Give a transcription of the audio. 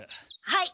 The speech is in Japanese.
はい。